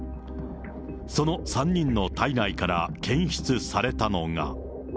その３人の体内から検出されたのが。